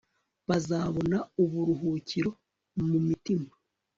bazabona uburuhukiro mu mitima